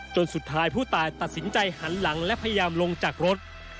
จนสุดท้ายผู้ตายตัดสินใจหันหลังและพยายามลงจากรถ